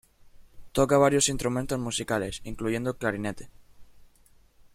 Toca varios instrumentos musicales, incluyendo el clarinete.